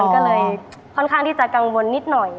ก็เลยค่อนข้างที่จะกังวลนิดหน่อย